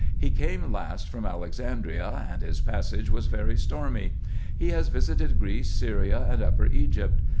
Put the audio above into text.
He came last from Alexandria, and his passage was very stormy. He has visited Greece, Syria, and Upper Egypt.